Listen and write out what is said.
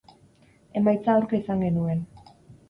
Emaitza aurka izan genuen.